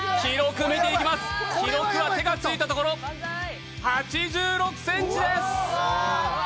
記録は手がついたところ、８６ｃｍです！